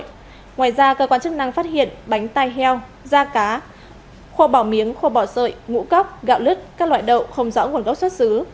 ngoài ra cơ quan chức năng phát hiện bánh tai heo da cá khô bò miếng khô bò sợi ngũ góc gạo lứt các loại đậu không rõ nguồn gốc xuất xứ